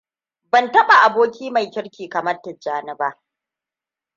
Ban taɓa aboki mai kirki kamar Tijjani ba.